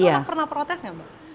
itu anak pernah protes nggak mbak